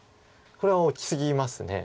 これは大きすぎます。